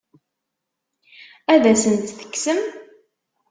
Ad asen-tt-tekksem?